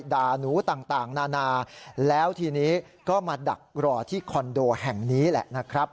ด่าหนูต่างนานาแล้วทีนี้ก็มาดักรอที่คอนโดแห่งนี้แหละนะครับ